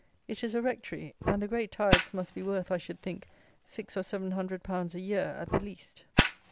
It is a Rectory, and the great tithes must be worth, I should think, six or seven hundred pounds a year, at the least.